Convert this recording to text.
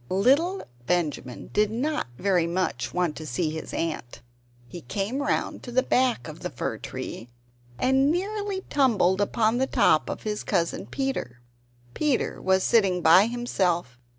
Little Benjamin did not very much want to see his Aunt. He came round the back of the fir tree, and nearly tumbled upon the top of his Cousin Peter. Peter was sitting by himself.